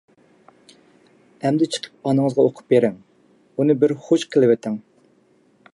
— ئەمدى چىقىپ ئانىڭىزغا ئوقۇپ بېرىڭ. ئۇنى بىر خۇش قىلىۋېتىڭ.